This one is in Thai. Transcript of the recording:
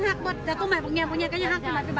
ตอนต่อไป